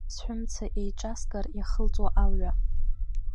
Сҳәымца еиҿаскыр, иахылҵуа алҩа.